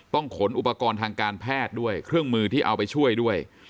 ขนอุปกรณ์ทางการแพทย์ด้วยเครื่องมือที่เอาไปช่วยด้วย